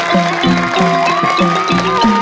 กลับมารับทราบ